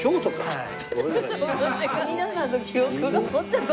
はい。